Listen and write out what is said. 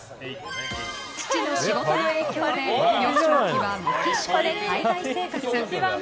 父の仕事の影響で幼少期はメキシコで海外生活。